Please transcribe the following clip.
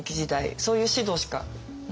そういう指導しかなくって。